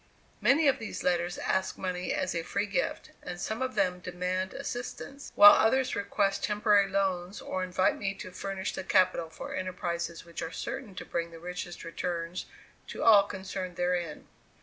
Many of these letters ask money as a free gift, and some of them demand assistance; while others request temporary loans, or invite me to furnish the capital for enterprises which are certain to bring the richest returns to all concerned therein.